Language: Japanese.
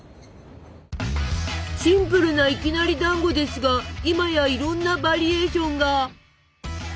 シンプルないきなりだんごですが今やいろんなバリエーションが！